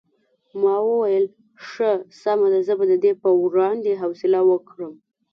ما وویل ښه سمه ده زه به د دې په وړاندې حوصله وکړم.